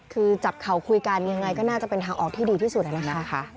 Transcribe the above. คือจับเข่าคุยกันยังไงก็น่าจะเป็นทางออกที่ดีที่สุดนะคะ